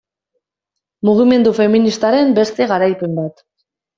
Mugimendu feministaren beste garaipen bat.